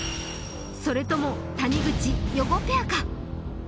それとも谷口・余語ペアか？